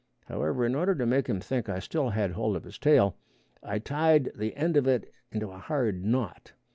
However, in order to make him think I still had hold of his tail, I tied the end of it into a hard knot.